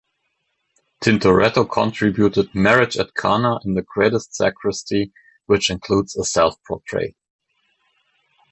Tintoretto contributed "Marriage at Cana" in the great sacristy, which includes a self-portrait.